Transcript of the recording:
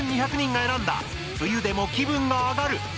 ３２００人が選んだ「冬でも気分がアガる！